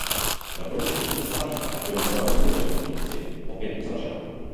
Na konci sedmdesátých let bylo divadlo kvůli rekonstrukci opět uzavřeno.